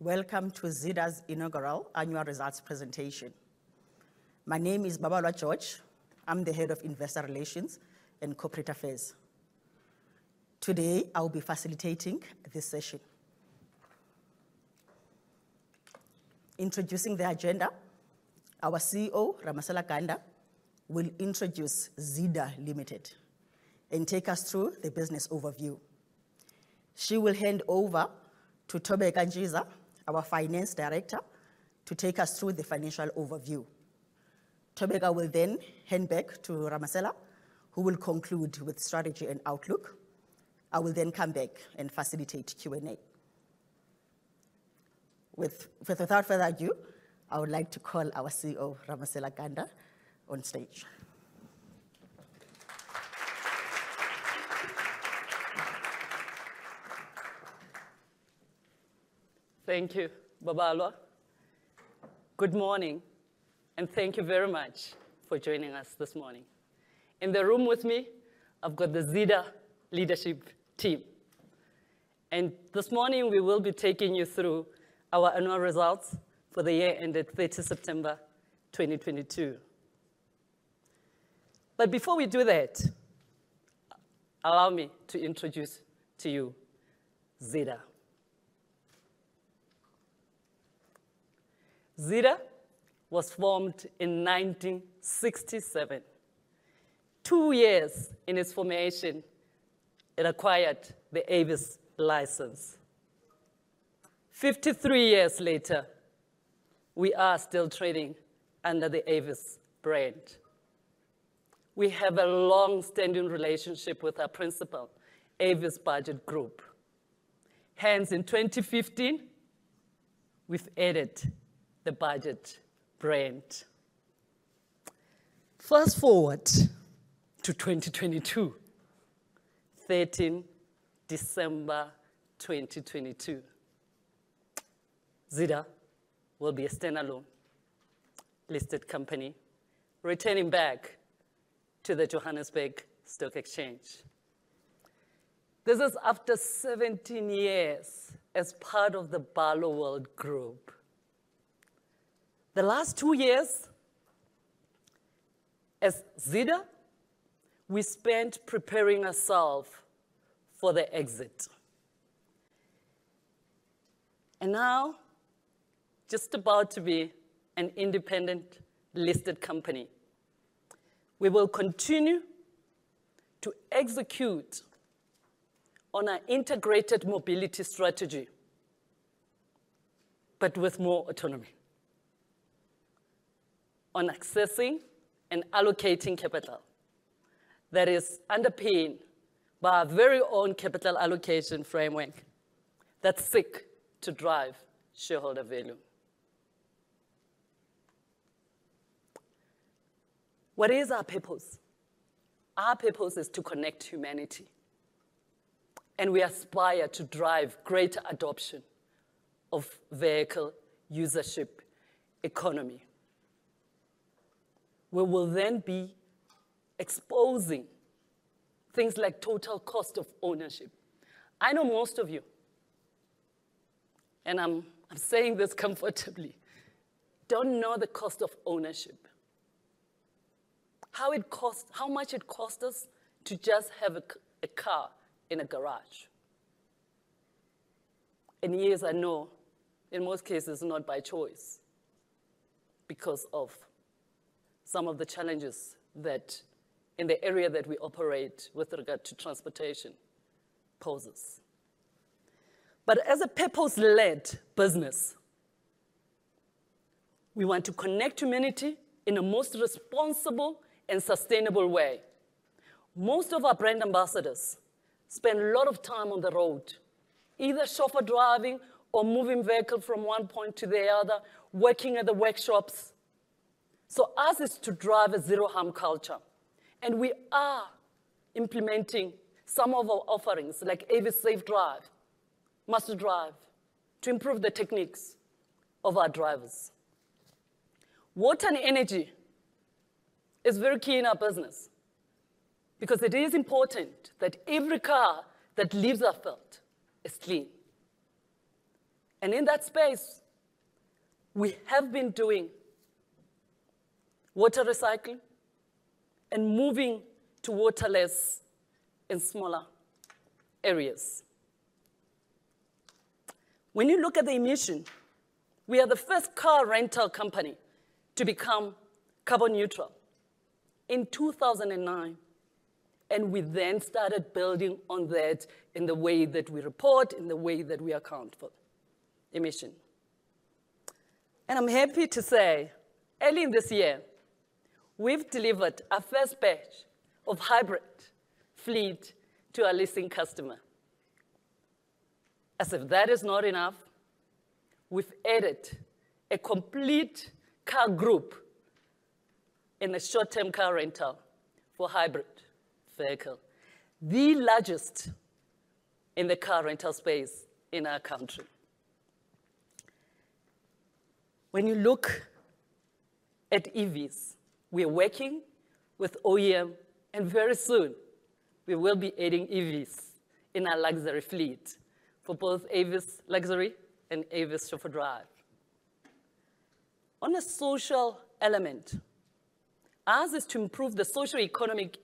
Welcome to Zeda's inaugural annual results presentation. My name is Babalwa George. I'm the head of Investor Relations and Corporate Affairs. Today, I'll be facilitating this session. Introducing the agenda, our CEO, Ramasela Ganda, will introduce Zeda Limited and take us through the business overview. She will hand over to Thobeka Ntshiza, our Finance Director, to take us through the financial overview. Thobeka will then hand back to Ramasela, who will conclude with strategy and outlook. I will then come back and facilitate Q&A. Without further ado, I would like to call our CEO, Ramasela Ganda, on stage. Thank you, Babalwa. Good morning, and thank you very much for joining us this morning. In the room with me, I've got the Zeda leadership team. This morning we will be taking you through our annual results for the year ended 30 September 2022. Before we do that, allow me to introduce to you Zeda. Zeda was formed in 1967. Two years in its formation, it acquired the Avis license. 53 years later, we are still trading under the Avis brand. We have a long-standing relationship with our principal, Avis Budget Group. Hence, in 2015, we've added the Budget brand. Fast-forward to 2022, 13th December 2022, Zeda will be a standalone listed company returning back to the Johannesburg Stock Exchange. This is after 17 years as part of the Barloworld Group. The last two years as Zeda, we spent preparing ourselves for the exit. Now, just about to be an independent listed company. We will continue to execute on our integrated mobility strategy, but with more autonomy on accessing and allocating capital that is underpinned by our very own capital allocation framework that seeks to drive shareholder value. What is our purpose? Our purpose is to connect humanity, and we aspire to drive greater adoption of vehicle usership economy. We will then be exposing things like total cost of ownership. I know most of you, and I'm saying this comfortably, don't know the cost of ownership. How much it costs us to just have a car in a garage. Yes, I know in most cases, not by choice because of some of the challenges that in the area that we operate with regard to transportation poses. As a purpose-led business, we want to connect humanity in a most responsible and sustainable way. Most of our brand ambassadors spend a lot of time on the road, either chauffeur driving or moving vehicle from one point to the other, working at the workshops. Ours is to drive a zero-harm culture, and we are implementing some of our offerings like Avis SafeDrive, MasterDrive, to improve the techniques of our drivers. Water and energy is very key in our business because it is important that every car that leaves our lot is clean. In that space, we have been doing water recycling and moving to waterless in smaller areas. When you look at the emission, we are the first car rental company to become carbon neutral in 2009, and we then started building on that in the way that we report, in the way that we account for emission. I'm happy to say, early this year, we've delivered our first batch of hybrid fleet to our leasing customer. As if that is not enough, we've added a complete car group in the short-term car rental for hybrid vehicle, the largest in the car rental space in our country. When you look at EVs, we're working with OEM, and very soon we will be adding EVs in our luxury fleet for both Avis Luxury and Avis Chauffeur Drive. On a social element, ours is to improve the socioeconomic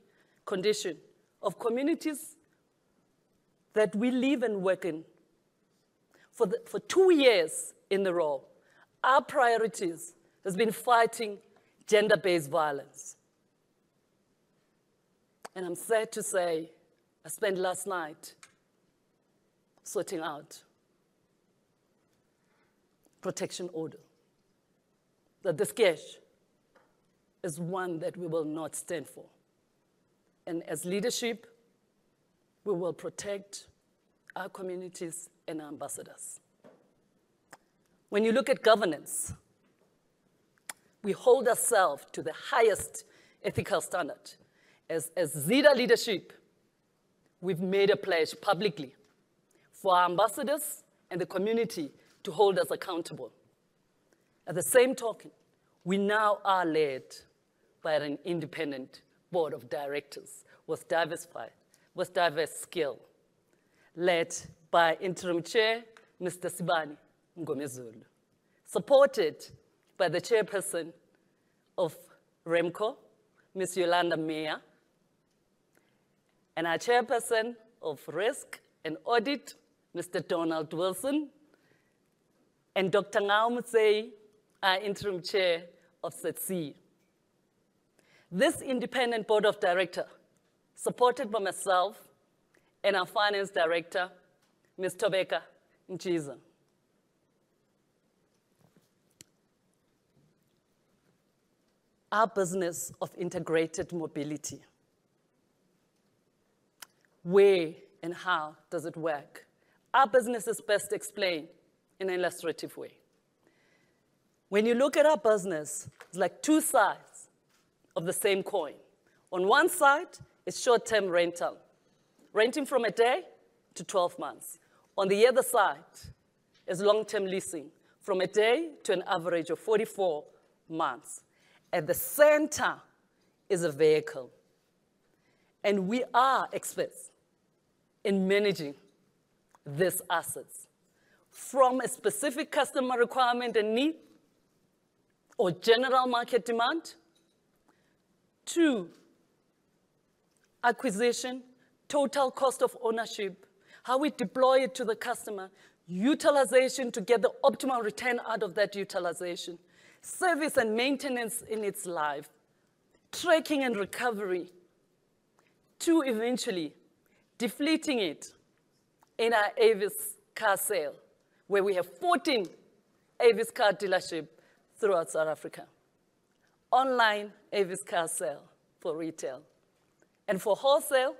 condition of communities that we live and work in. For two years in a row, our priorities has been fighting gender-based violence. I'm sad to say, I spent last night sorting out protection order, that this case is one that we will not stand for, and as leadership, we will protect our communities and our ambassadors. When you look at governance, we hold ourself to the highest ethical standard. As Zeda leadership, we've made a pledge publicly for our ambassadors and the community to hold us accountable. At the same token, we now are led by an independent board of directors with diverse skill, led by Interim Chair Mr. Sibani Mngomezulu, supported by the Chairperson of RemCo, Ms. Yolanda Miya, and our Chairperson of Risk and Audit, Mr. Donald Wilson, and Dr. Ngao Motsei, our Interim Chair of SETC. This independent board of director, supported by myself and our Finance Director, Ms. Thobeka Ntshiza. Our business of integrated mobility, where and how does it work? Our business is best explained in an illustrative way. When you look at our business, it's like two sides of the same coin. On one side is short-term rental, renting from a day to 12 months. On the other side is long-term leasing, from a day to an average of 44 months. At the center is a vehicle. We are experts in managing these assets. From a specific customer requirement and need or general market demand to acquisition, total cost of ownership, how we deploy it to the customer, utilization to get the optimal return out of that utilization, service and maintenance in its life, tracking and recovery, to eventually deflating it in our Avis Car Sales where we have 14 Avis car dealership throughout South Africa. Online, Avis Car Sales for retail. For wholesale,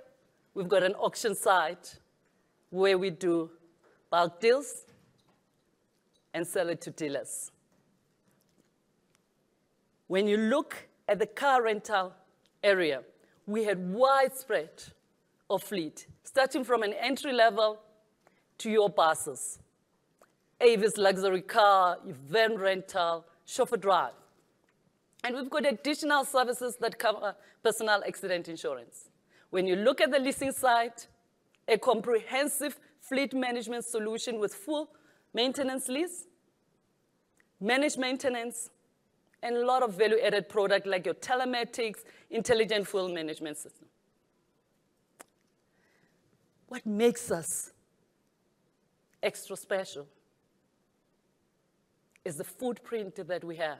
we've got an auction site where we do bulk deals and sell it to dealers. When you look at the car rental area, we have widespread of fleet, starting from an entry level to your buses, Avis Luxury Cars, van rental, Chauffeur Drive. We've got additional services that cover personal accident insurance. When you look at the leasing side, a comprehensive fleet management solution with full maintenance lease, managed maintenance, and a lot of value-added product like your telematics, Intelligent Fuel Management system. What makes us extra special is the footprint that we have.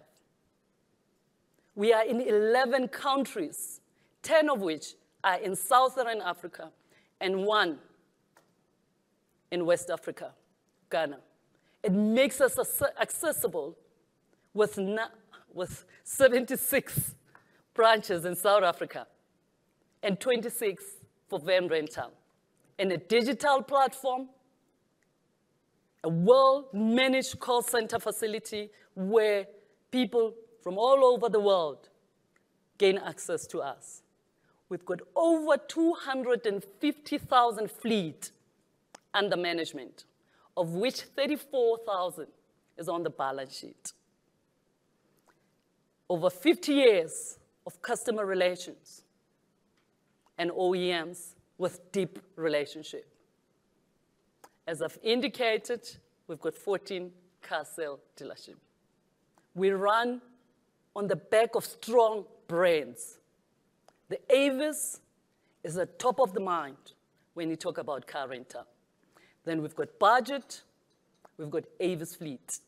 We are in 11 countries, 10 of which are in Southern Africa and one in West Africa, Ghana. It makes us accessible with 76 branches in South Africa and 26 for van rental, and a digital platform, a well-managed call center facility where people from all over the world gain access to us. We've got over 250,000 fleet under management, of which 34,000 is on the balance sheet. Over 50 years of customer relations and OEMs with deep relationship. As I've indicated, we've got 14 car sale dealership. We run on the back of strong brands. The Avis is at top of the mind when you talk about car rental. We've got Budget, we've got Avis Fleet.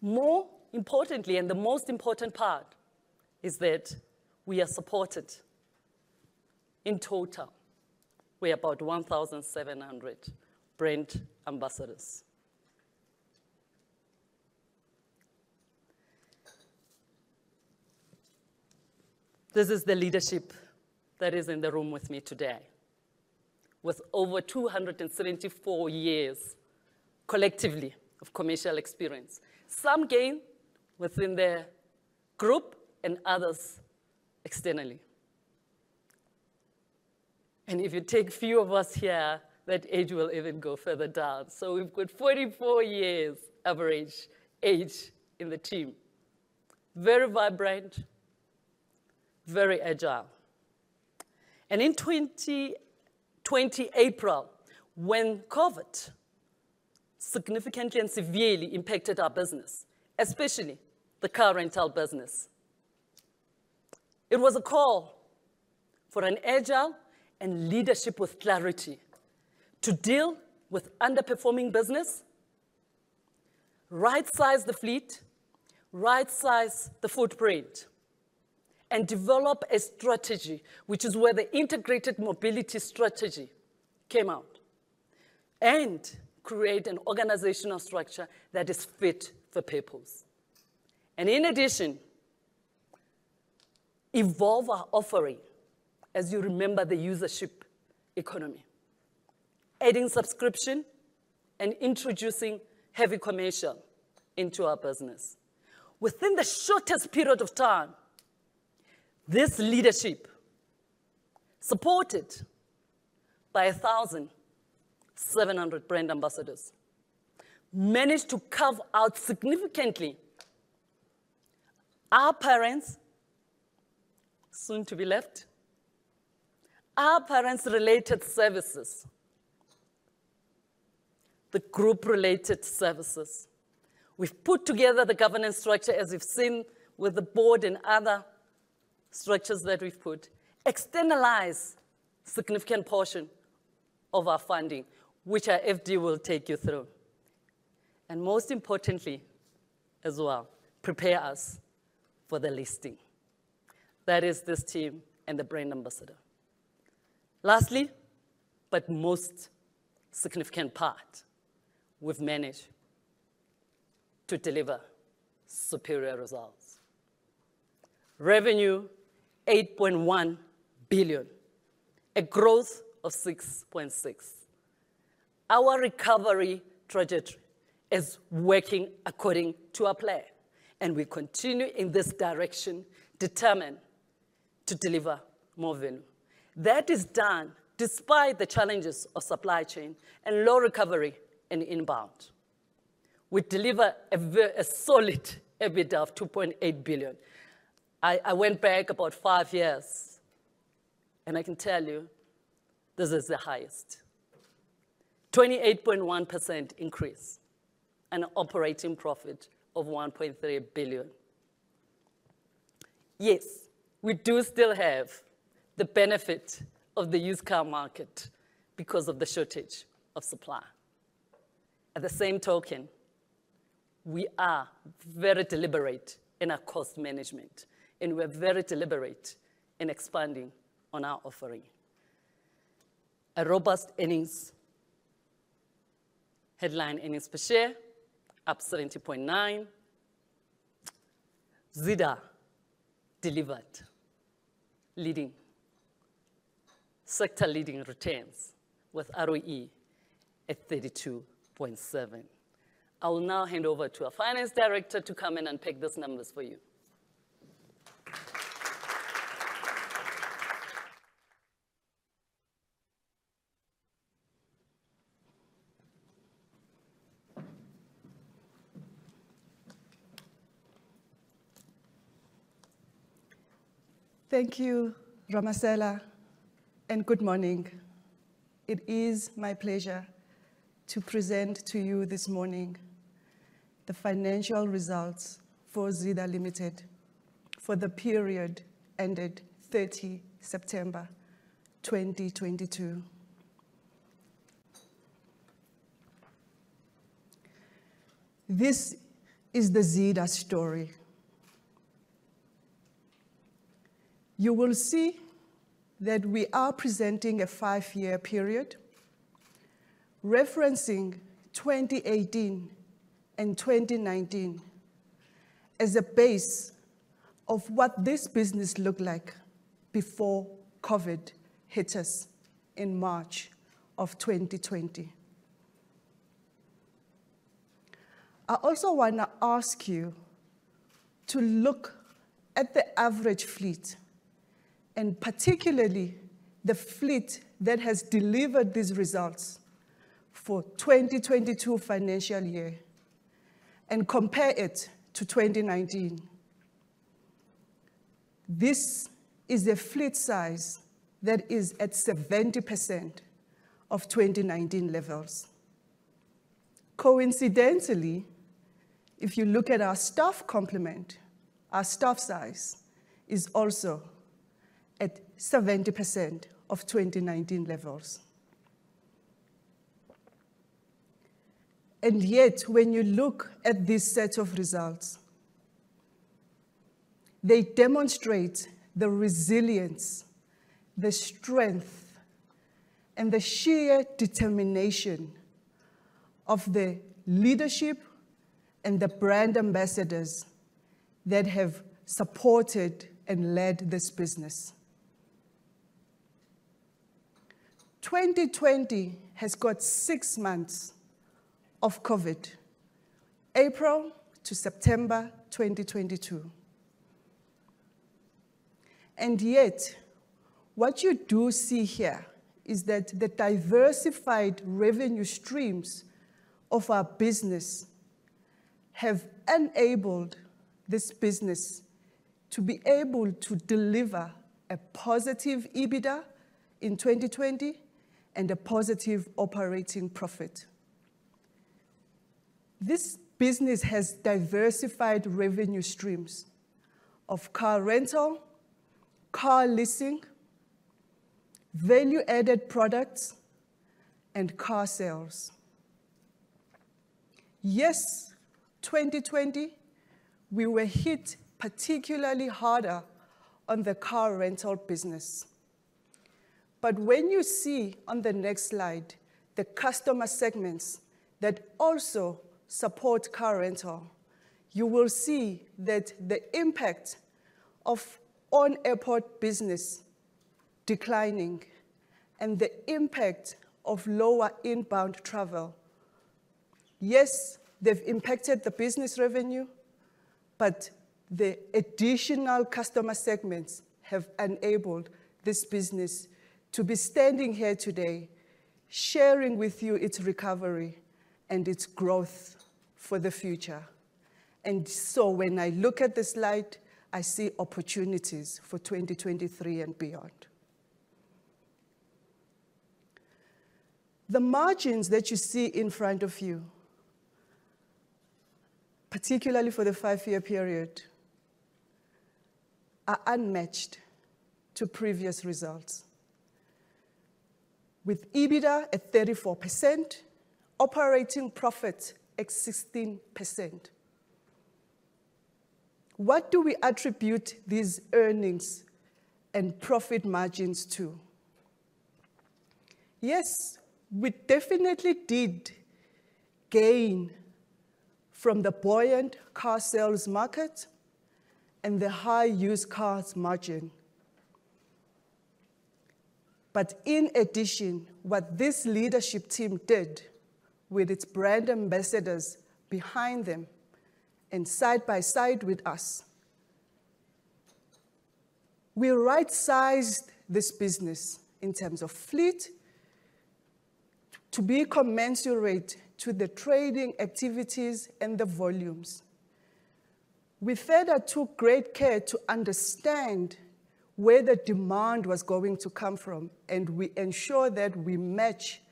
More importantly, the most important part, is that we are supported. In total, we're about 1,700 brand ambassadors. This is the leadership that is in the room with me today, with over 274 years collectively of commercial experience, some gained within the group and others externally. If you take few of us here, that age will even go further down. We've got 44 years average age in the team. Very vibrant, very agile. In 2020 April, when COVID significantly and severely impacted our business, especially the car rental business, it was a call for an agile and leadership with clarity to deal with underperforming business, right-size the fleet, right-size the footprint, and develop a strategy which is where the integrated mobility strategy came out, and create an organizational structure that is fit for purpose. In addition, evolve our offering as you remember the usership economy, adding subscription and introducing heavy commercial into our business. Within the shortest period of time, this leadership, supported by 1,700 brand ambassadors, managed to carve out significantly our parents, soon to be left, our parents' related services, the Group related services. We've put together the governance structure as you've seen with the Board and other structures that we've put, externalize significant portion of our funding, which our FD will take you through. Most importantly as well, prepare us for the listing. That is this team and the brand ambassador. Lastly, but most significant part, we've managed to deliver superior results. Revenue 8.1 billion, a growth of 6.6%. Our recovery trajectory is working according to our plan, and we continue in this direction, determined to deliver more value. That is done despite the challenges of supply chain and low recovery in inbound. We deliver a solid EBITDA of 2.8 billion. I went back about five years, and I can tell you this is the highest. 28.1% increase and operating profit of 1.3 billion. We do still have the benefit of the used car market because of the shortage of supply. At the same token, we are very deliberate in our cost management, and we're very deliberate in expanding on our offering. A robust earnings, headline earnings per share, up 70.9%. Zeda delivered leading, sector leading returns with ROE at 32.7%. I will now hand over to our Finance Director to come in and pick those numbers for you. Thank you, Ramasela, and good morning. It is my pleasure to present to you this morning the financial results for Zeda Limited for the period ended 30 September 2022. This is the Zeda story. You will see that we are presenting a five-year period, referencing 2018 and 2019 as a base of what this business looked like before COVID hit us in March of 2020. I also wanna ask you to look at the average fleet, and particularly the fleet that has delivered these results for 2022 financial year, and compare it to 2019. This is a fleet size that is at 70% of 2019 levels. Coincidentally, if you look at our staff complement, our staff size is also at 70% of 2019 levels. Yet when you look at this set of results, they demonstrate the resilience, the strength, and the sheer determination of the leadership and the brand ambassadors that have supported and led this business. 2020 has got six months of COVID, April to September 2022. Yet, what you do see here is that the diversified revenue streams of our business have enabled this business to be able to deliver a positive EBITDA in 2020 and a positive operating profit. This business has diversified revenue streams of car rental, car leasing, value-added products, and car sales. Yes, 2020, we were hit particularly harder on the car rental business. When you see on the next slide the customer segments that also support car rental, you will see that the impact of on-airport business declining and the impact of lower inbound travel, yes, they've impacted the business revenue, but the additional customer segments have enabled this business to be standing here today, sharing with you its recovery and its growth for the future. When I look at the slide, I see opportunities for 2023 and beyond. The margins that you see in front of you, particularly for the five-year period, are unmatched to previous results, with EBITDA at 34%, operating profit at 16%. What do we attribute these earnings and profit margins to? Yes, we definitely did gain from the buoyant car sales market and the high used cars margin. In addition, what this leadership team did with its brand ambassadors behind them and side by side with us, we right-sized this business in terms of fleet to be commensurate to the trading activities and the volumes. We further took great care to understand where the demand was going to come from, and we ensure that we match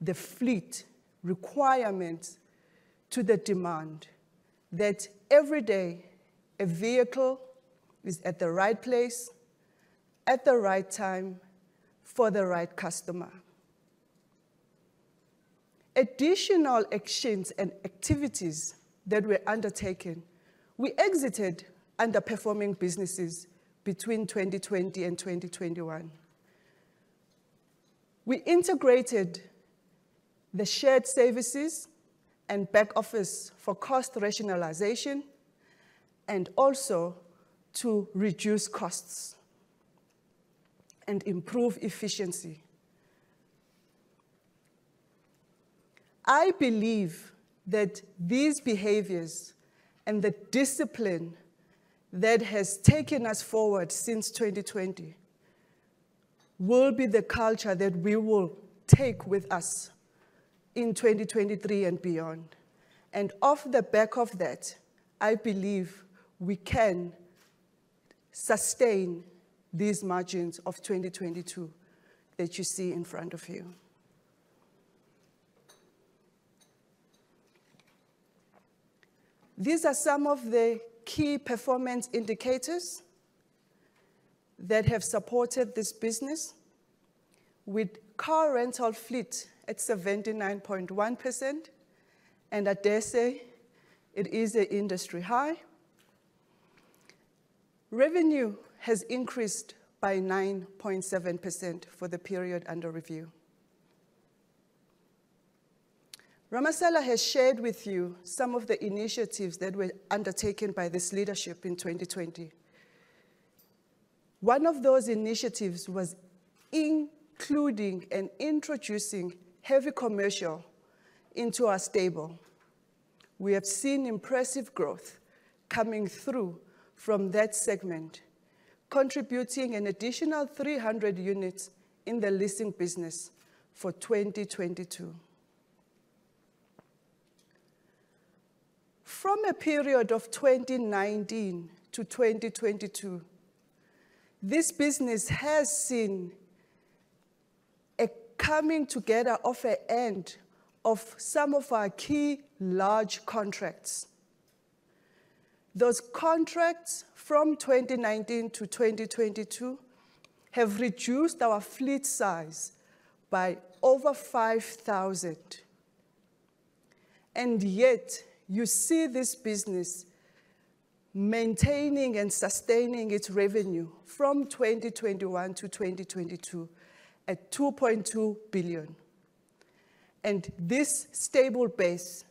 the fleet requirements to the demand that every day a vehicle is at the right place at the right time for the right customer. Additional actions and activities that were undertaken, we exited underperforming businesses between 2020 and 2021. We integrated the shared services and back office for cost rationalization and also to reduce costs and improve efficiency. I believe that these behaviors and the discipline that has taken us forward since 2020 will be the culture that we will take with us in 2023 and beyond. Off the back of that, I believe we can sustain these margins of 2022 that you see in front of you. These are some of the key performance indicators that have supported this business with car rental fleet at 79.1%, and I dare say it is a industry high. Revenue has increased by 9.7% for the period under review. Ramasela has shared with you some of the initiatives that were undertaken by this leadership in 2020. One of those initiatives was including and introducing heavy commercial into our stable. We have seen impressive growth coming through from that segment, contributing an additional 300 units in the leasing business for 2022. From a period of 2019 to 2022, this business has seen a coming together of a end of some of our key large contracts. Those contracts from 2019 to 2022 have reduced our fleet size by over 5,000. Yet you see this business maintaining and sustaining its revenue from 2021 to 2022 at 2.2 billion. This stable base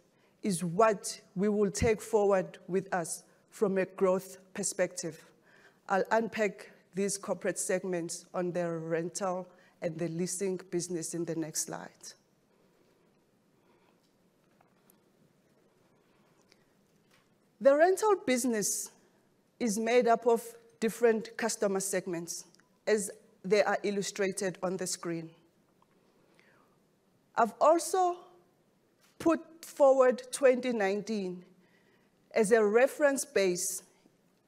is what we will take forward with us from a growth perspective. I'll unpack these corporate segments on the rental and the leasing business in the next slide. The rental business is made up of different customer segments as they are illustrated on the screen. I've also put forward 2019 as a reference base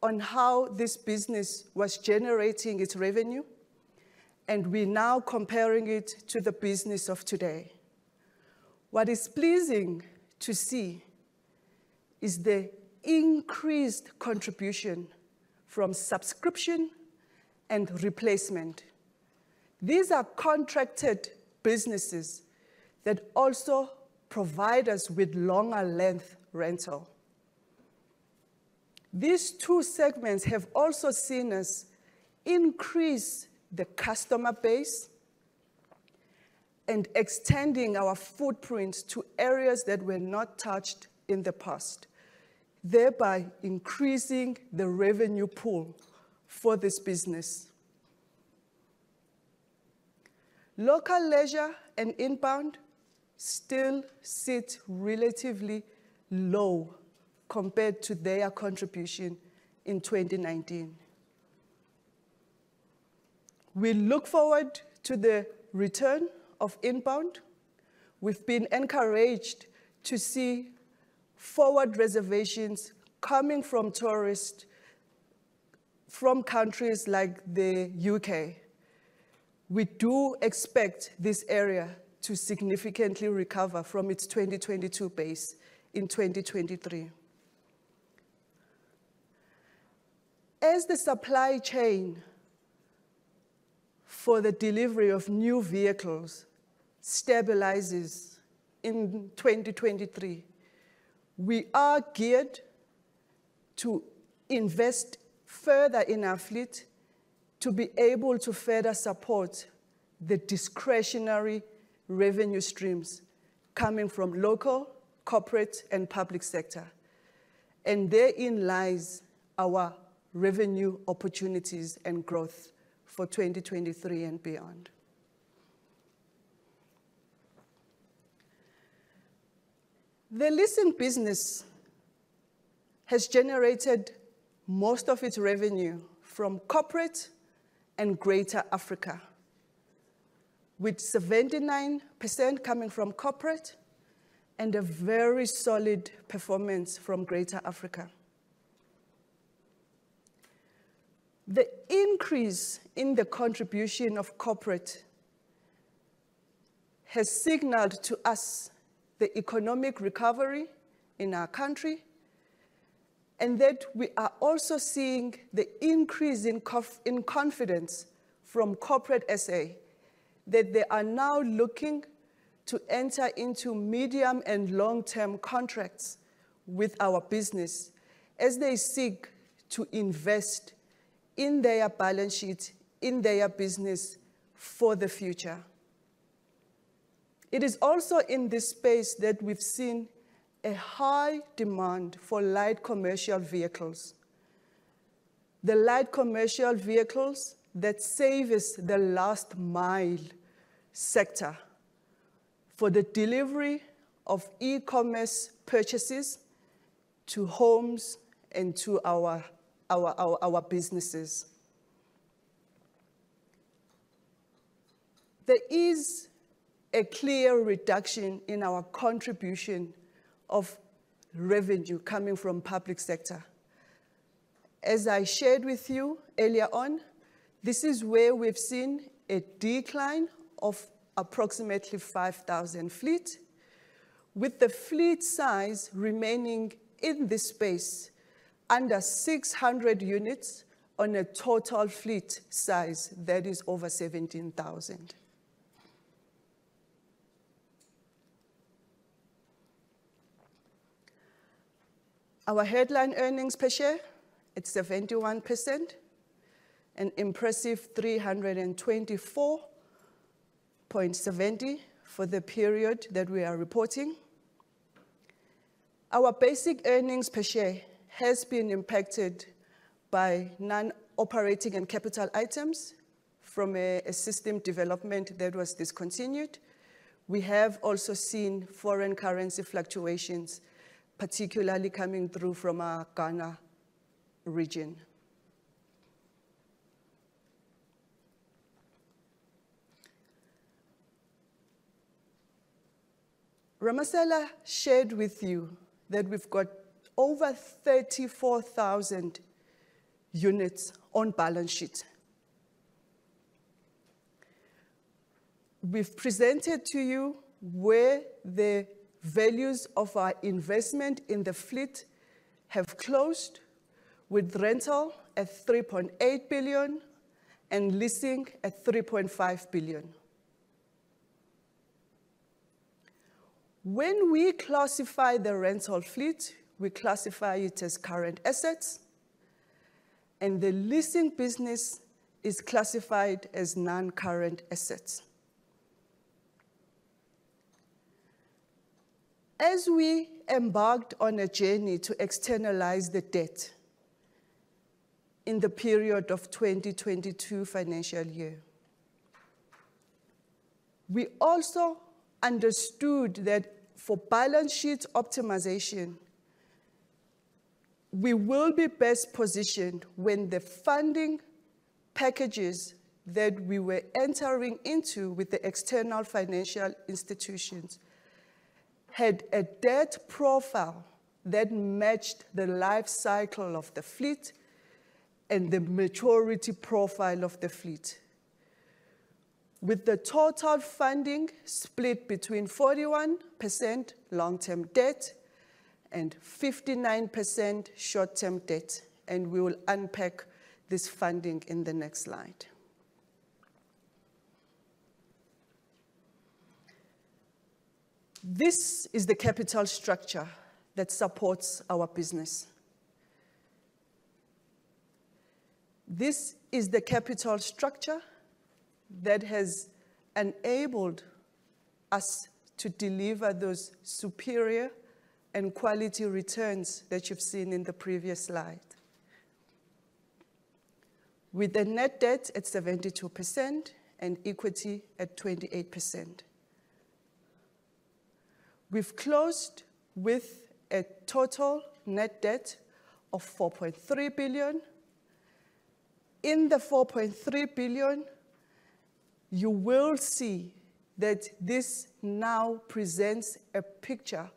on how this business was generating its revenue, and we're now comparing it to the business of today. What is pleasing to see is the increased contribution from subscription and replacement. These are contracted businesses that also provide us with longer length rental. These two segments have also seen us increase the customer base and extending our footprint to areas that were not touched in the past, thereby increasing the revenue pool for this business. Local leisure and inbound still sit relatively low compared to their contribution in 2019. We look forward to the return of inbound. We've been encouraged to see forward reservations coming from tourists from countries like the U.K. We do expect this area to significantly recover from its 2022 base in 2023. As the supply chain for the delivery of new vehicles stabilizes in 2023, we are geared to invest further in our fleet to be able to further support the discretionary revenue streams coming from local, corporate, and public sector, and therein lies our revenue opportunities and growth for 2023 and beyond. The leasing business has generated most of its revenue from corporate and greater Africa, with 79% coming from corporate and a very solid performance from greater Africa. The increase in the contribution of corporate has signaled to us the economic recovery in our country and that we are also seeing the increase in confidence from corporate SA, that they are now looking to enter into medium and long-term contracts with our business as they seek to invest in their balance sheet, in their business for the future. It is also in this space that we've seen a high demand for light commercial vehicles. The light commercial vehicles that service the last mile sector for the delivery of e-commerce purchases to homes and to our businesses. There is a clear reduction in our contribution of revenue coming from public sector. I shared with you earlier on, this is where we've seen a decline of approximately 5,000 fleet, with the fleet size remaining in this space under 600 units on a total fleet size that is over 17,000. Our headline earnings per share at 71%, an impressive 324.70 for the period that we are reporting. Our basic earnings per share has been impacted by non-operating and capital items from a system development that was discontinued. We have also seen foreign currency fluctuations, particularly coming through from our Ghana region. Ramasela shared with you that we've got over 34,000 units on balance sheet. We've presented to you where the values of our investment in the fleet have closed with rental at 3.8 billion and leasing at 3.5 billion. When we classify the rental fleet, we classify it as current assets, and the leasing business is classified as non-current assets. As we embarked on a journey to externalize the debt in the period of 2022 financial year. We also understood that for balance sheet optimization, we will be best positioned when the funding packages that we were entering into with the external financial institutions had a debt profile that matched the life cycle of the fleet and the maturity profile of the fleet. With the total funding split between 41% long-term debt and 59% short-term debt, and we will unpack this funding in the next slide. This is the capital structure that supports our business. This is the capital structure that has enabled us to deliver those superior and quality returns that you've seen in the previous slide. With a net debt at 72% and equity at 28%. We've closed with a total net debt of 4.3 billion. In the 4.3 billion, you will see that this now presents a picture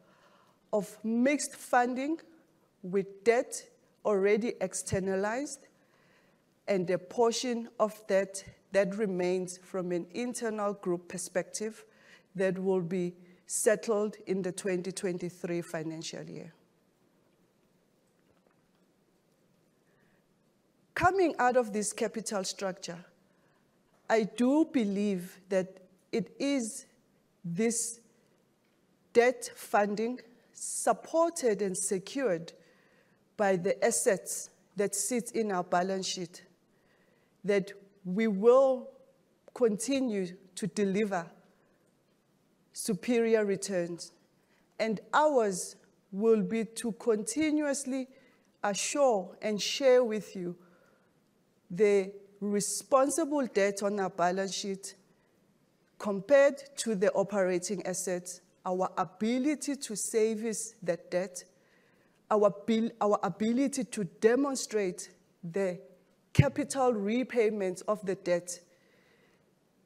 of mixed funding with debt already externalized and a portion of debt that remains from an internal group perspective that will be settled in the 2023 financial year. Coming out of this capital structure, I do believe that it is this debt funding, supported and secured by the assets that sit in our balance sheet, that we will continue to deliver superior returns. Ours will be to continuously assure and share with you the responsible debt on our balance sheet compared to the operating assets, our ability to service that debt, our ability to demonstrate the capital repayment of the debt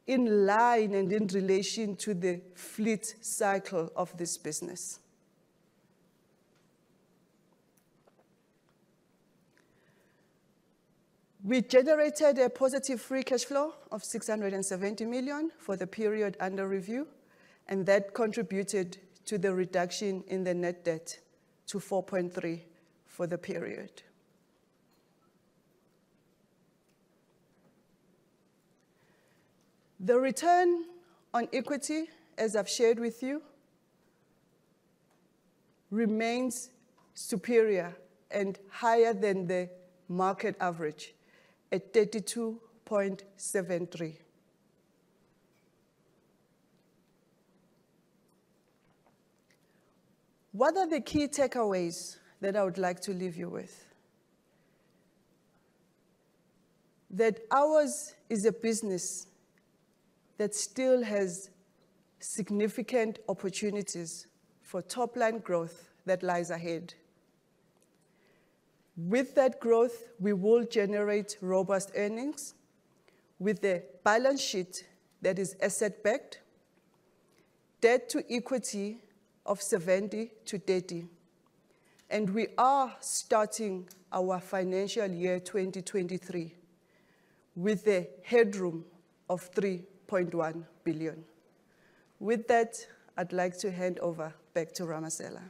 in line and in relation to the fleet cycle of this business. We generated a positive free cash flow of 670 million for the period under review, and that contributed to the reduction in the net debt to 4.3 for the period. The ROE, as I've shared with you, remains superior and higher than the market average at 32.73%. What are the key takeaways that I would like to leave you with? Ours is a business that still has significant opportunities for top-line growth that lies ahead. With that growth, we will generate robust earnings with a balance sheet that is asset-backed, debt-to-equity of 70-30, and we are starting our financial year 2023 with a headroom of 3.1 billion. With that, I'd like to hand over back to Ramasela.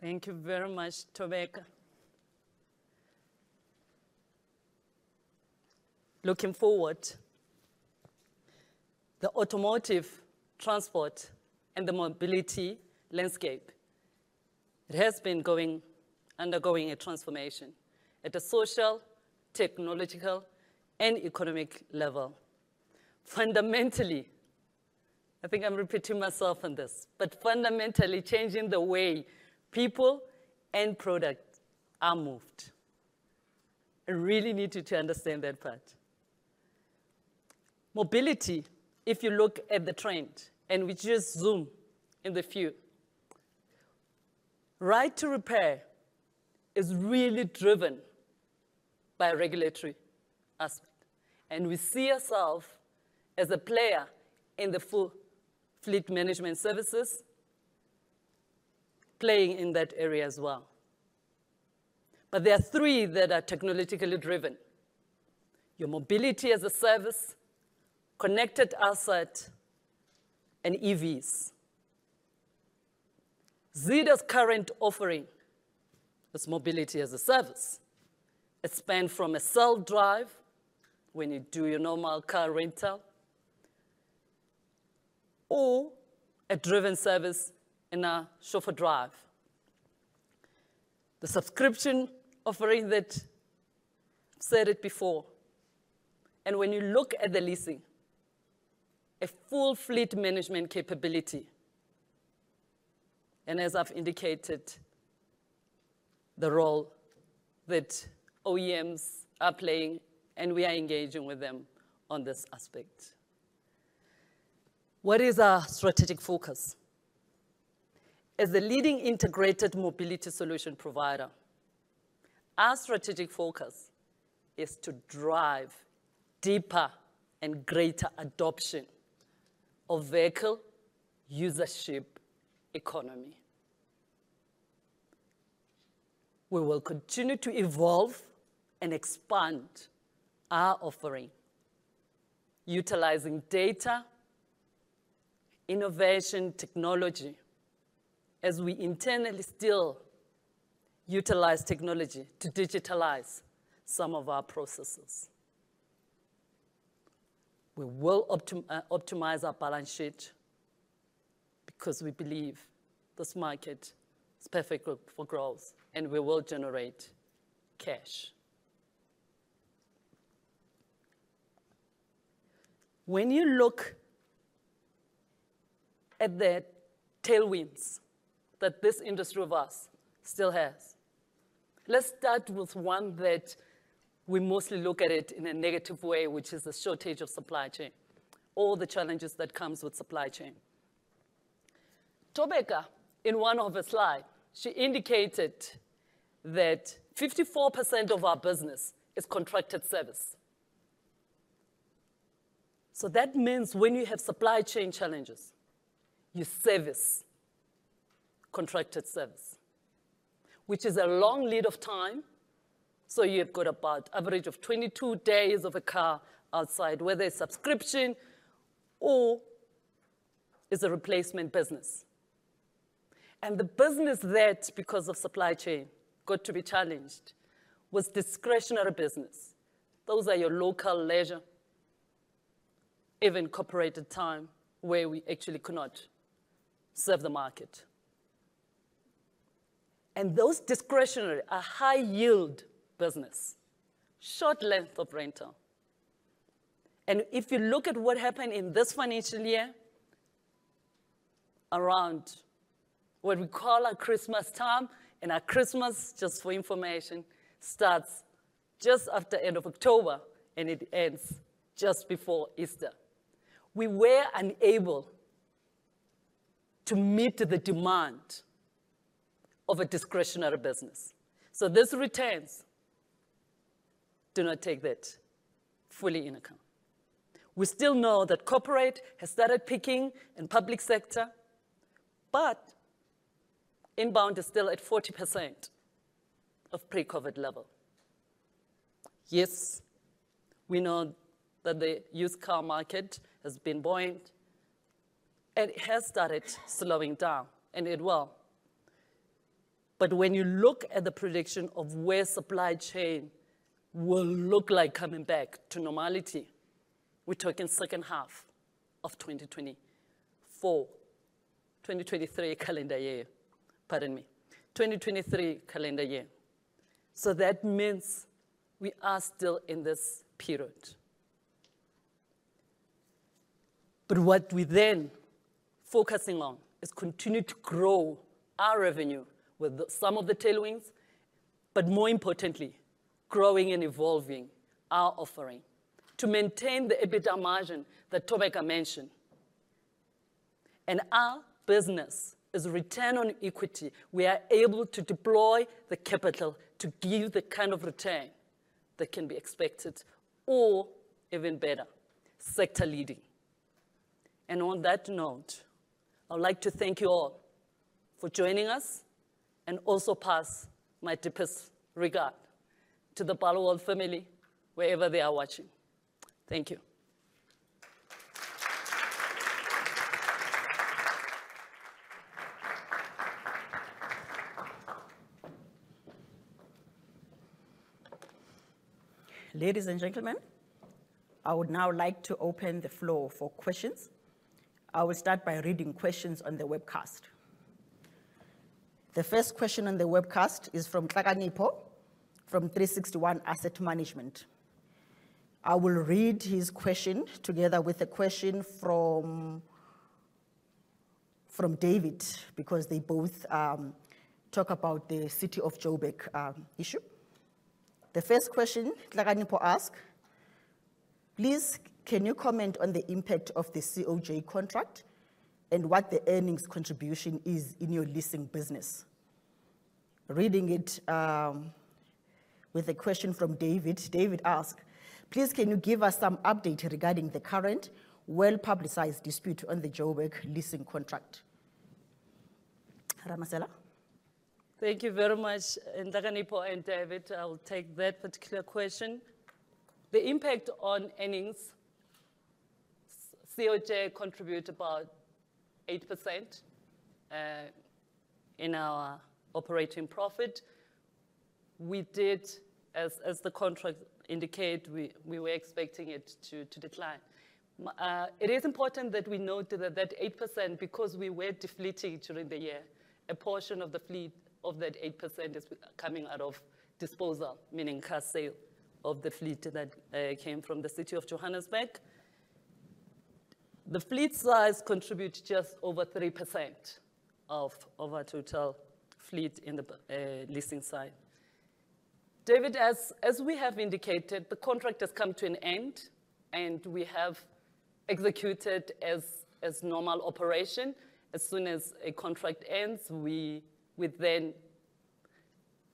Thank you very much, Thobeka. Looking forward, the automotive transport and the mobility landscape, it has been undergoing a transformation at a social, technological, and economic level. Fundamentally, I think I'm repeating myself on this, but fundamentally changing the way people and product are moved. I really need you to understand that part. Mobility, if you look at the trend, and we just zoom in the view. Right to Repair is really driven by a regulatory aspect, and we see ourself as a player in the full fleet management services, playing in that area as well. There are three that are technologically driven: your Mobility as a Service, connected asset, and EVs. Zeda's current offering is Mobility as a Service. It span from a self-drive when you do your normal car rental, or a driven service in a chauffeur drive. The subscription offering that said it before. When you look at the leasing, a full fleet management capability. As I've indicated, the role that OEMs are playing, and we are engaging with them on this aspect. What is our strategic focus? As a leading integrated mobility solution provider, our strategic focus is to drive deeper and greater adoption of vehicle usership economy. We will continue to evolve and expand our offering utilizing data, innovation, technology, as we internally still utilize technology to digitalize some of our processes. We will optimize our balance sheet because we believe this market is perfect group for growth, and we will generate cash. When you look at the tailwinds that this industry of ours still has, let's start with one that we mostly look at it in a negative way, which is the shortage of supply chain, all the challenges that comes with supply chain. Thobeka, in one of her slide, she indicated that 54% of our business is contracted service. That means when you have supply chain challenges, you service contracted service, which is a long lead of time, so you've got about average of 22 days of a car outside, whether it's subscription or is a replacement business. The business that, because of supply chain, got to be challenged was discretionary business. Those are your local leisure, even corporate time, where we actually could not serve the market. Those discretionary are high yield business, short length of rental. If you look at what happened in this financial year, around what we call our Christmas time, and our Christmas, just for information, starts just after end of October, and it ends just before Easter. We were unable to meet the demand of a discretionary business. Those returns do not take that fully into account. We still know that corporate has started picking in public sector, but inbound is still at 40% of pre-COVID level. Yes, we know that the used car market has been buoyant, and it has started slowing down, and it will. When you look at the prediction of where supply chain will look like coming back to normality, we're talking second half of 2024. 2023 calendar year, pardon me. 2023 calendar year. That means we are still in this period. What we then focusing on is continue to grow our revenue with the some of the tailwinds, but more importantly, growing and evolving our offering to maintain the EBITDA margin that Thobeka mentioned. Our business is return on equity. We are able to deploy the capital to give the kind of return that can be expected or even better, sector-leading. On that note, I would like to thank you all for joining us, and also pass my deepest regard to the Barloworld family, wherever they are watching. Thank you. Ladies and gentlemen, I would now like to open the floor for questions. I will start by reading questions on the webcast. The first question on the webcast is from Nhlakanipho, from 36ONE Asset Management. I will read his question together with a question from David because they both talk about the City of Joburg issue. The first question Nhlakanipho ask: "Please, can you comment on the impact of the COJ contract and what the earnings contribution is in your leasing business?" Reading it with a question from David. David ask: "Please, can you give us some update regarding the current well-publicized dispute on the Joburg leasing contract?" Ramasela. Thank you very much, Nhlakanipho and David. I will take that particular question. The impact on earnings, COJ contribute about 8% in our operating profit. We did, as the contract indicate, we were expecting it to decline. It is important that we note that 8%, because we were defleeting during the year, a portion of the fleet of that 8% is coming out of disposal, meaning car sale of the fleet that came from the City of Johannesburg. The fleet size contributes just over 3% of our total fleet in the leasing side. David, as we have indicated, the contract has come to an end. We have executed as normal operation. As soon as a contract ends, we then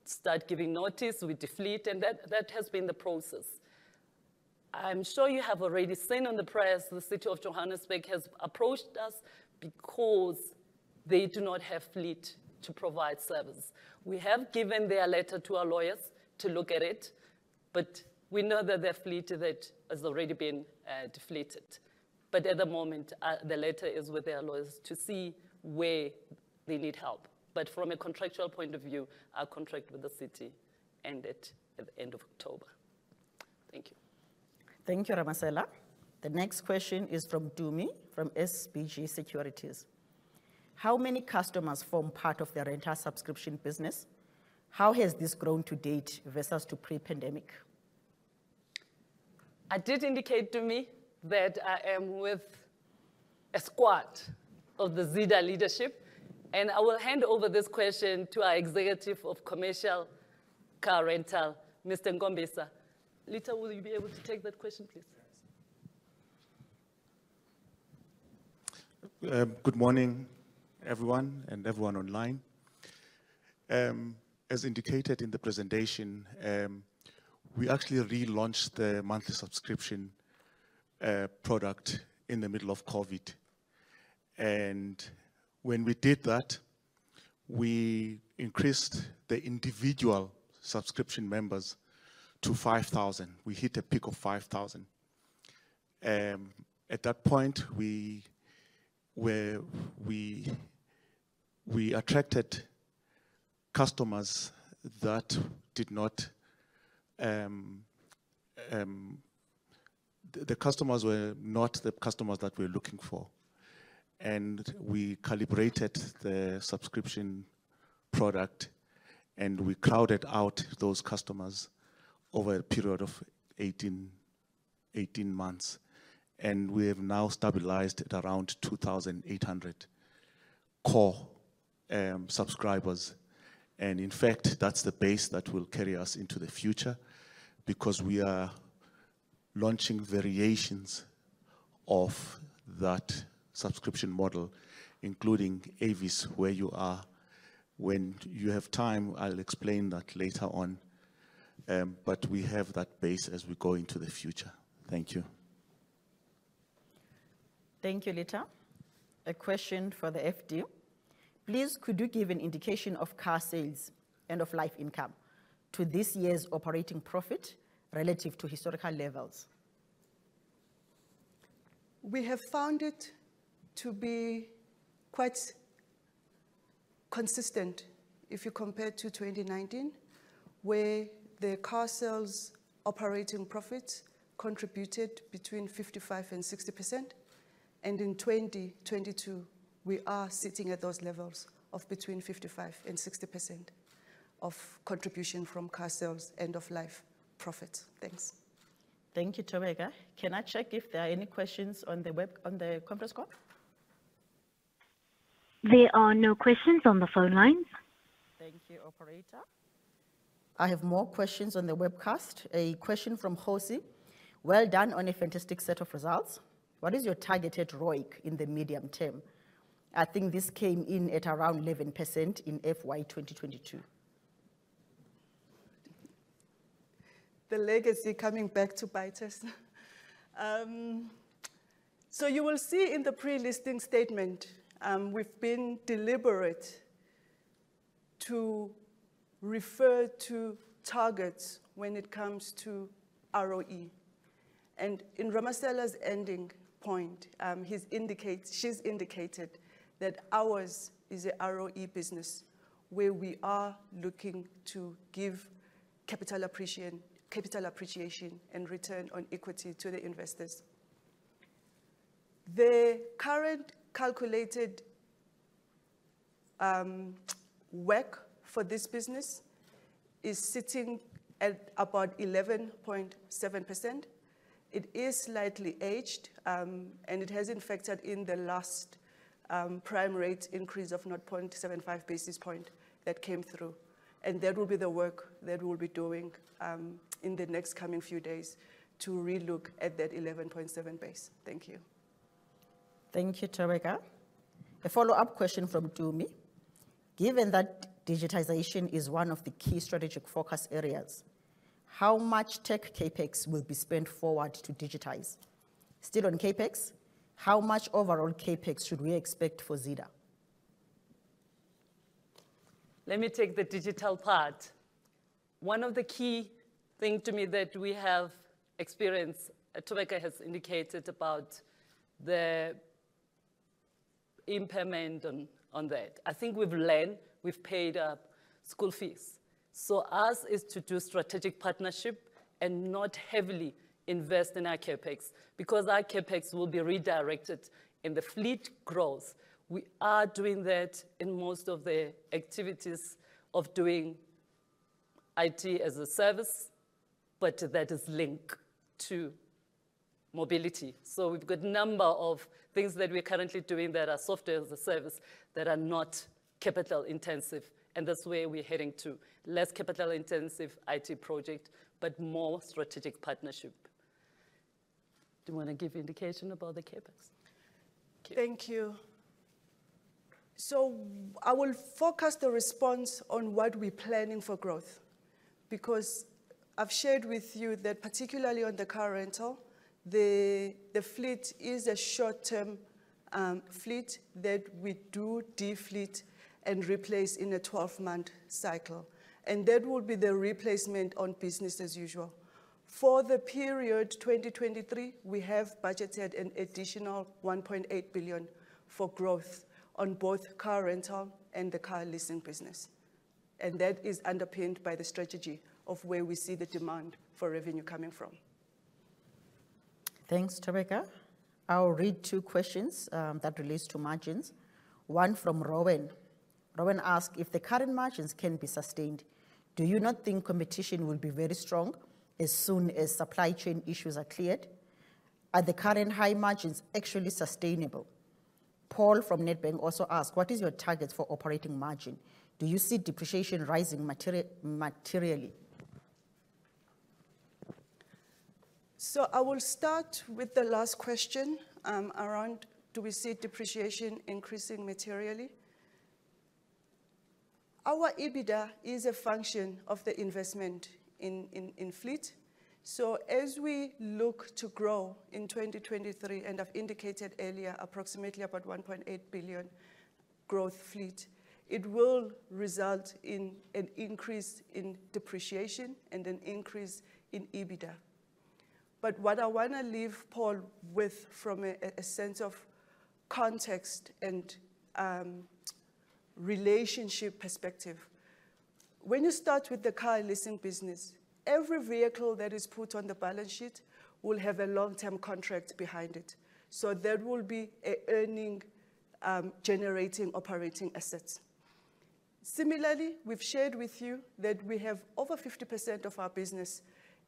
start giving notice, we defleet. That has been the process. I'm sure you have already seen on the press, the City of Johannesburg has approached us because they do not have fleet to provide service. We have given their letter to our lawyers to look at it. We know that their fleet that has already been defleeted. At the moment, the letter is with their lawyers to see where they need help. From a contractual point of view, our contract with the city ended at the end of October. Thank you. Thank you, Ramasela. The next question is from Dumi from SBG Securities. How many customers form part of the rental subscription business? How has this grown to date versus to pre-pandemic? I did indicate, Dumi, that I am with a squad of the Zeda leadership. I will hand over this question to our executive of commercial car rental, Mr. Nkombisa. Litha, will you be able to take that question, please? Yes. Good morning, everyone and everyone online. As indicated in the presentation, we actually relaunched the monthly subscription product in the middle of COVID. When we did that, we increased the individual subscription members to 5,000. We hit a peak of 5,000. At that point, we were, we attracted customers that did not. The customers were not the customers that we're looking for. We calibrated the subscription product, and we crowded out those customers over a period of 18 months. We have now stabilized at around 2,800 core subscribers. In fact, that's the base that will carry us into the future because we are launching variations of that subscription model, including Avis Where You Are. When you have time, I'll explain that later on. We have that base as we go into the future. Thank you. Thank you, Litha. A question for the FD. Please, could you give an indication of car sales end-of-life income to this year's operating profit relative to historical levels? We have found it to be quite consistent if you compare to 2019, where the car sales operating profit contributed between 55 and 60%. In 2022, we are sitting at those levels of between 55 and 60% of contribution from car sales end-of-life profit. Thanks. Thank you, Thobeka. Can I check if there are any questions on the web, on the conference call? There are no questions on the phone lines. Thank you, operator. I have more questions on the webcast. A question from Osea. Well done on a fantastic set of results. What is your targeted ROIC in the medium term? I think this came in at around 11% in FY 2022. The legacy coming back to bite us. You will see in the pre-listing statement, we've been deliberate to refer to targets when it comes to ROE. In Ramasela's ending point, she's indicated that ours is a ROE business, where we are looking to give capital appreciation and return on equity to the investors. The current calculated, WACC for this business is sitting at about 11.7%. It is slightly aged, and it has infected in the last, prime rate increase of 0.75 basis point that came through. That will be the work that we'll be doing, in the next coming few days to relook at that 11.7 base. Thank you. Thank you, Thobeka. A follow-up question from Dumi. Given that digitization is one of the key strategic focus areas, how much tech CapEx will be spent forward to digitize? Still on CapEx, how much overall CapEx should we expect for Zeda? Let me take the digital part. One of the key thing to me that we have experienced, Thobeka has indicated about the Impairment on that. I think we've learned, we've paid school fees. Us is to do strategic partnership and not heavily invest in our CapEx, because our CapEx will be redirected in the fleet growth. We are doing that in most of the activities of doing IT as a service, but that is linked to mobility. We've got number of things that we're currently doing that are software as a service that are not capital intensive, and that's where we're heading to, less capital intensive IT project, but more strategic partnership. Do you wanna give indication about the CapEx? Thank you. I will focus the response on what we're planning for growth, because I've shared with you that particularly on the car rental, the fleet is a short-term fleet that we do defleet and replace in a 12-month cycle, and that will be the replacement on business as usual. For the period 2023, we have budgeted an additional 1.8 billion for growth on both car rental and the car leasing business, and that is underpinned by the strategy of where we see the demand for revenue coming from. Thanks, Thobeka. I'll read two questions that relates to margins. One from Rowan. Rowan asked, "If the current margins can be sustained, do you not think competition will be very strong as soon as supply chain issues are cleared? Are the current high margins actually sustainable?" Paul from Nedbank also asked, "What is your target for operating margin? Do you see depreciation rising materially? I will start with the last question, around do we see depreciation increasing materially. Our EBITDA is a function of the investment in fleet. As we look to grow in 2023, and I've indicated earlier approximately about 1.8 billion growth fleet, it will result in an increase in depreciation and an increase in EBITDA. What I wanna leave Paul with from a sense of context and relationship perspective, when you start with the car leasing business, every vehicle that is put on the balance sheet will have a long-term contract behind it. There will be a earning generating operating assets. Similarly, we've shared with you that we have over 50% of our business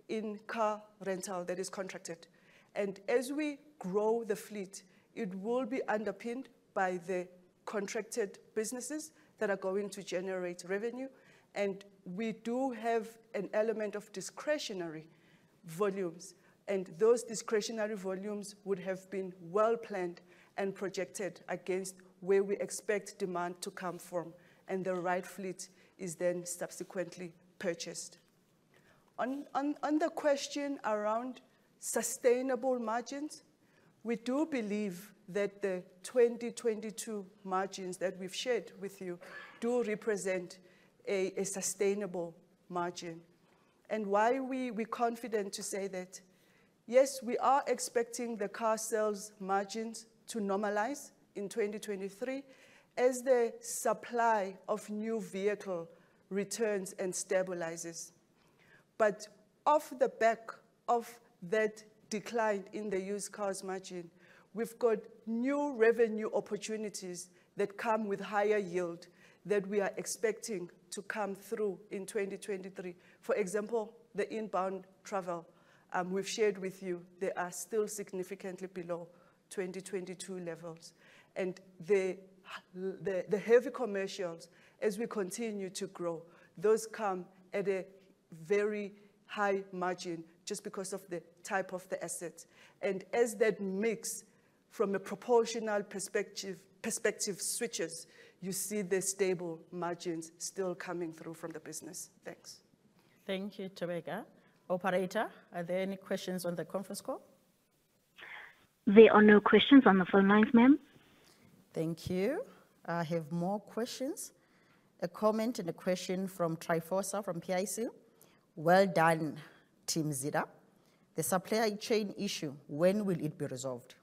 in car rental that is contracted. As we grow the fleet, it will be underpinned by the contracted businesses that are going to generate revenue. We do have an element of discretionary volumes. Those discretionary volumes would have been well planned and projected against where we expect demand to come from. The right fleet is then subsequently purchased. On the question around sustainable margins, we do believe that the 2022 margins that we've shared with you do represent a sustainable margin. Why we confident to say that? Yes, we are expecting the car sales margins to normalize in 2023 as the supply of new vehicle returns and stabilizes. Off the back of that decline in the used cars margin, we've got new revenue opportunities that come with higher yield that we are expecting to come through in 2023. For example, the inbound travel, we've shared with you they are still significantly below 2022 levels. The heavy commercials, as we continue to grow, those come at a very high margin just because of the type of the assets. As that mix from a proportional perspective switches, you see the stable margins still coming through from the business. Thanks. Thank you, Thobeka. Operator, are there any questions on the conference call? There are no questions on the phone lines, ma'am. Thank you. I have more questions. A comment and a question from Tryphosa, from PIC. Well done, Team Zeda. The supply chain issue, when will it be resolved?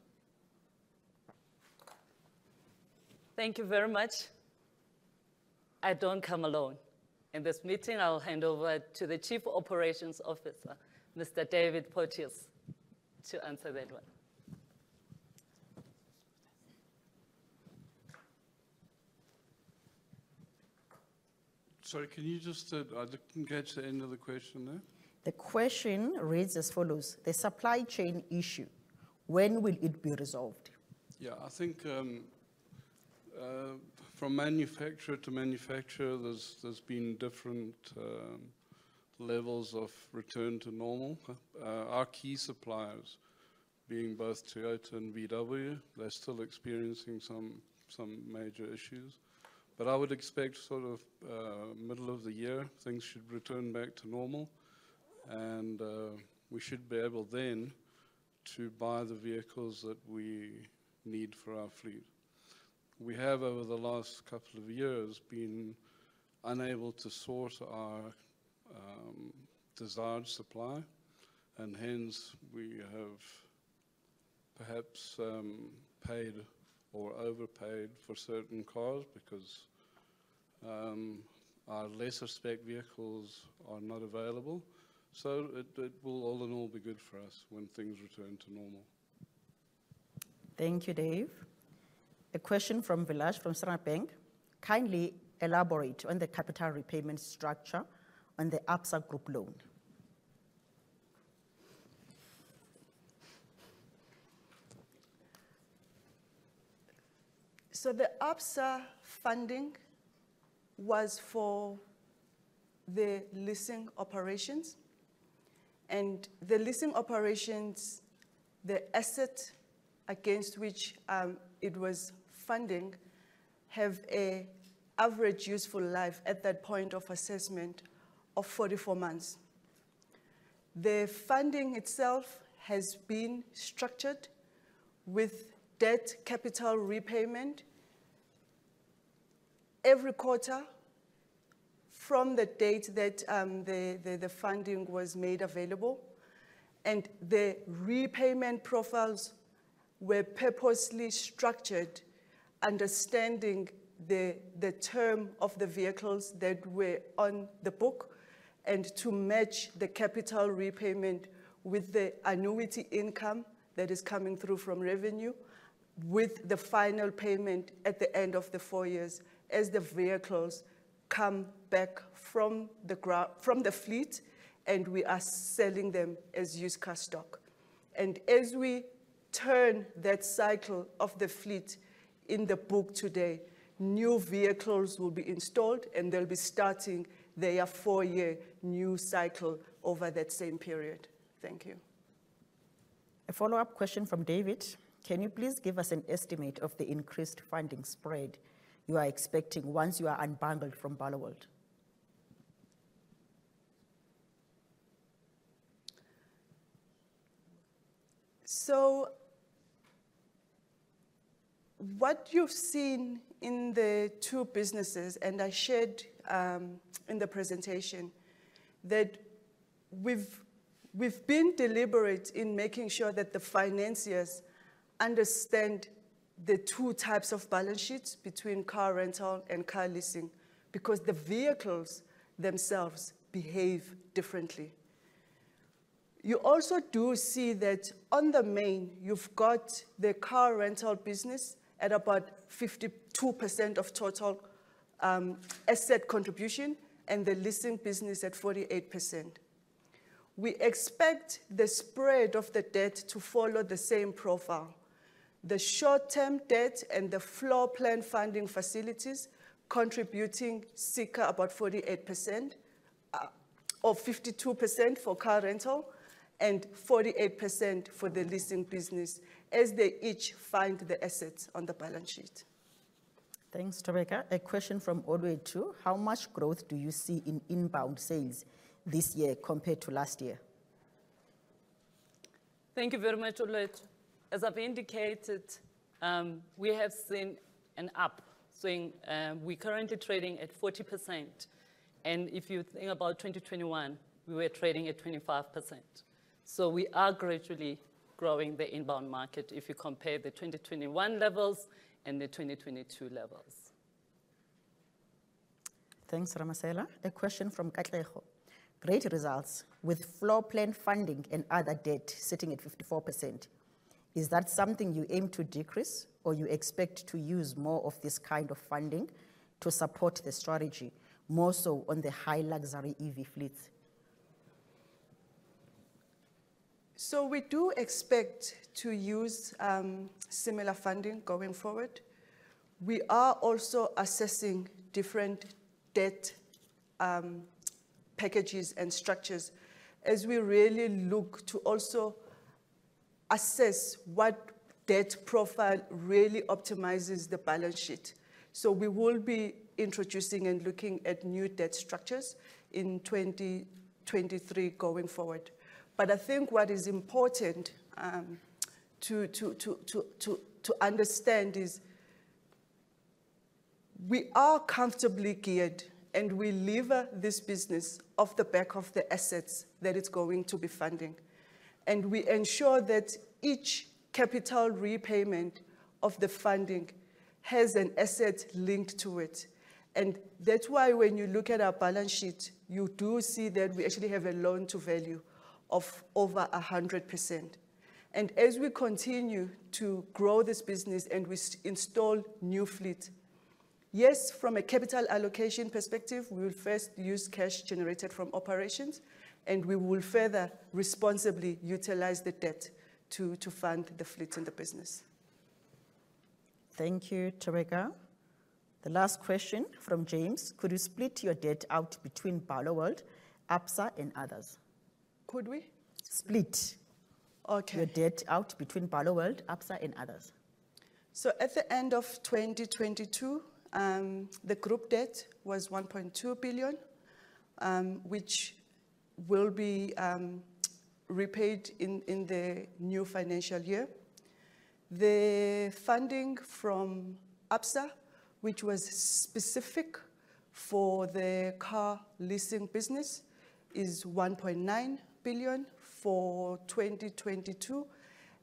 Thank you very much. I don't come alone. In this meeting, I'll hand over to the Chief Operations Officer, Mr. David Porteous, to answer that one. Sorry, can you just, I didn't catch the end of the question there. The question reads as follows: The supply chain issue, when will it be resolved? Yeah. I think, from manufacturer to manufacturer, there's been different levels of return to normal. Our key suppliers, being both Toyota and VW, they're still experiencing some major issues. I would expect sort of, middle of the year, things should return back to normal and we should be able then to buy the vehicles that we need for our fleet. We have, over the last couple of years, been unable to source our. There's large supply, and hence we have perhaps, paid or overpaid for certain cars because, our lesser spec vehicles are not available. It will all in all be good for us when things return to normal. Thank you, Dave. A question from Vilash from Standard Bank. Kindly elaborate on the capital repayment structure on the Absa Group loan. The Absa funding was for the leasing operations, and the leasing operations, the asset against which it was funding have a average useful life at that point of assessment of 44 months. The funding itself has been structured with debt capital repayment every quarter from the date that the funding was made available, and the repayment profiles were purposely structured understanding the term of the vehicles that were on the book, and to match the capital repayment with the annuity income that is coming through from revenue, with the final payment at the end of the four years as the vehicles come back from the fleet, and we are selling them as used car stock. As we turn that cycle of the fleet in the book today, new vehicles will be installed, and they'll be starting their four-year new cycle over that same period. Thank you. A follow-up question from David. Can you please give us an estimate of the increased funding spread you are expecting once you are unbundled from Barloworld? What you've seen in the two businesses, and I shared in the presentation, that we've been deliberate in making sure that the financiers understand the two types of balance sheets between car rental and car leasing, because the vehicles themselves behave differently. You also do see that on the main, you've got the car rental business at about 52% of total asset contribution, and the leasing business at 48%. We expect the spread of the debt to follow the same profile. The short-term debt and the floor plan funding facilities contributing circa about 48%, or 52% for car rental, and 48% for the leasing business as they each fund the assets on the balance sheet. Thanks, Thobeka. A question from Odweju. How much growth do you see in inbound sales this year compared to last year? Thank you very much, Odweju. As I've indicated, we have seen an upswing, we're currently trading at 40%, and if you think about 2021, we were trading at 25%. We are gradually growing the inbound market if you compare the 2021 levels and the 2022 levels. Thanks, Ramasela. A question from Katleho. Great results. With floor plan funding and other debt sitting at 54%, is that something you aim to decrease, or you expect to use more of this kind of funding to support the strategy more so on the high luxury EV fleet? We do expect to use similar funding going forward. We are also assessing different debt packages and structures as we really look to also assess what debt profile really optimizes the balance sheet. We will be introducing and looking at new debt structures in 2023 going forward. I think what is important to understand is we are comfortably geared, and we lever this business off the back of the assets that it's going to be funding. We ensure that each capital repayment of the funding has an asset linked to it. That's why when you look at our balance sheet, you do see that we actually have a loan to value of over 100%. As we continue to grow this business and we install new fleet, yes, from a capital allocation perspective, we will first use cash generated from operations, and we will further responsibly utilize the debt to fund the fleet and the business. Thank you, Thobeka. The last question from James: Could you split your debt out between Barloworld, Absa, and others? Could we? Split. Okay. Your debt out between Barloworld, Absa, and others. At the end of 2022, the group debt was 1.2 billion, which will be repaid in the new financial year. The funding from Absa, which was specific for the car leasing business, is 1.9 billion for 2022.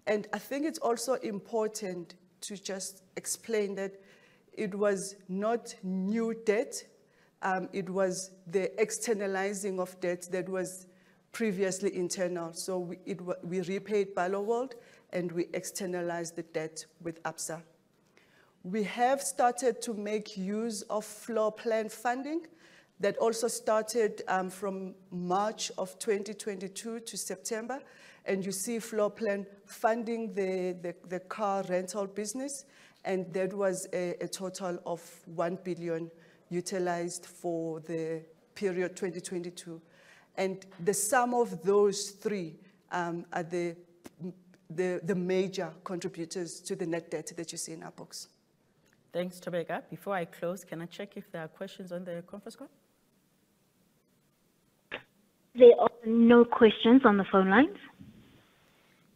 I think it's also important to just explain that it was not new debt, it was the externalizing of debt that was previously internal. We repaid Barloworld and we externalized the debt with Absa. We have started to make use of floor plan funding. That also started from March of 2022 to September, and you see floor plan funding the car rental business, and that was a total of 1 billion utilized for the period 2022. The sum of those three are the major contributors to the net debt that you see in our books. Thanks, Thobeka. Before I close, can I check if there are questions on the conference call? There are no questions on the phone lines.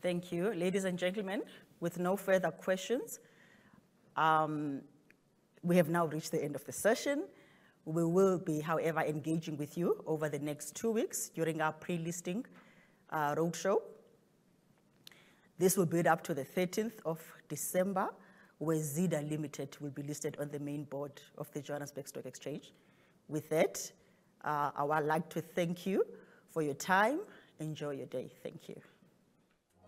Thank you. Ladies and gentlemen, with no further questions, we have now reached the end of the session. We will be, however, engaging with you over the next two weeks during our pre-listing roadshow. This will build up to the 13th of December, where Zeda Limited will be listed on the main board of the Johannesburg Stock Exchange. With that, I would like to thank you for your time. Enjoy your day. Thank you.